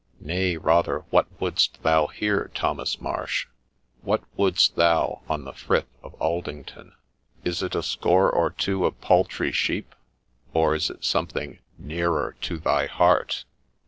4 Nay, rather what wouldst thou here, Thomas Marsh ? What wouldst thou on the Frith of Aldington ? Is it a score or two of paltry sheep ? or is it something nearer to thy heart